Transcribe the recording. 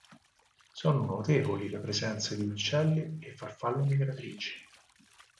Sono notevoli le presenze di uccelli e farfalle migratrici.